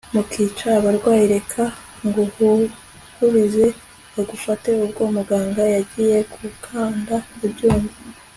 mukica abarwayi, reka nguhururize bagufate! ubwo umuganga yagiye gukanda ibyuma